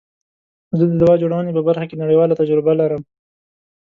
زه د دوا جوړونی په برخه کی نړیواله تجربه لرم.